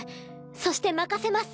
そして任せます。